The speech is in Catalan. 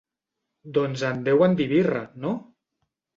Doncs en deuen dir birra, no?